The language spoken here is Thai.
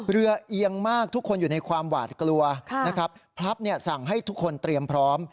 เอียงมากทุกคนอยู่ในความหวาดกลัวนะครับพลับเนี่ยสั่งให้ทุกคนเตรียมพร้อม